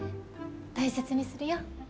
大切にするよ。